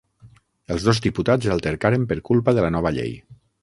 Els dos diputats altercaren per culpa de la nova llei.